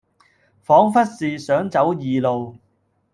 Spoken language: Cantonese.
仿佛是想走異路，